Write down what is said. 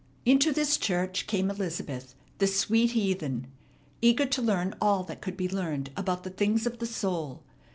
Into this church came Elizabeth, the sweet heathen, eager to learn all that could be learned about the things of the soul.